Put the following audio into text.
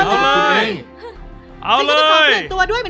จริงหรือ